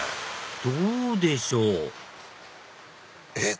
どうでしょう？えっ？